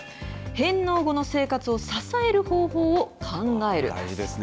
返納後の生活を支える方法を考える。